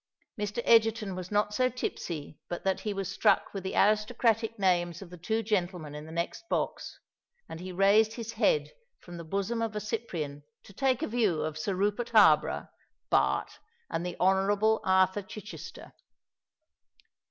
Mr. Egerton was not so tipsy but that he was struck with the aristocratic names of the two gentlemen in the next box; and he raised his head from the bosom of a Cyprian to take a view of Sir Rupert Harborough, Bart., and the Honourable Arthur Chichester.